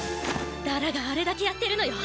ララがあれだけやってるのよ。